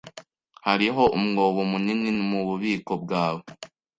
Hariho umwobo munini mububiko bwawe.